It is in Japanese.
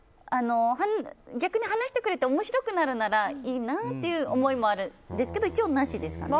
逆に話してくれて面白くなるならいいなという思いもあるんですけど一応なしですかね。